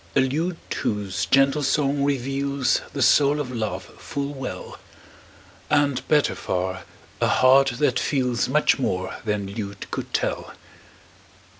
A lute whose gentle song reveals The soul of love full well; And, better far, a heart that feels Much more than lute could tell.